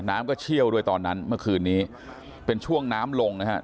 น้ำก็เชี่ยวด้วยตอนนั้นเมื่อคืนนี้เป็นช่วงน้ำลงนะครับ